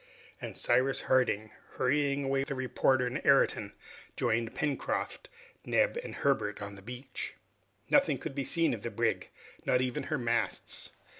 And Cyrus Harding, hurrying away the reporter and Ayrton, joined Pencroft, Neb, and Herbert on the beach. Nothing could be seen of the brig, not even her masts.